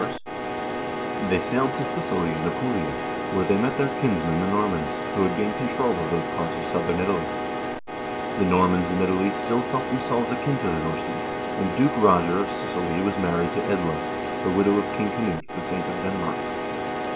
NORWAY PARTICIPATES IN THE CRUSADES 317 they sailed to Sicily and Apulia, where they met their kinsmen the Normans, who had gained control of those parts of southern Italy. The Normans in Italy still felt themselves akin to the Norsemen, and Duke Roger of Sicily was married to Edla, the widow of King Knut the Saint of Denmark.